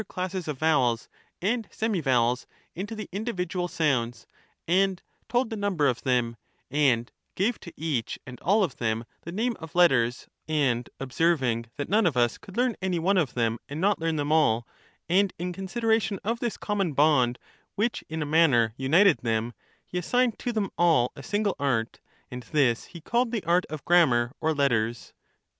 classes of vowels and semivowels, into the individual sounds, and told the number of them, and gave to each and all of them the name of letters ; and observing that none of us could learn any one of them and not learn them all, and in consideration of this common bond which in a manner united them, he assigned to them all a single art, and this he called the art of grammar or letters.